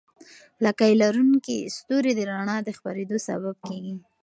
لکۍ لرونکي ستوري د رڼا د خپرېدو سبب کېږي.